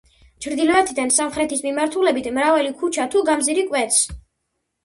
ჩრდილოეთიდან სამხრეთის მიმართულებით, მრავალი ქუჩა თუ გამზირი კვეთს.